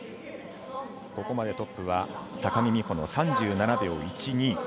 ここまでトップは高木美帆の３７秒１２。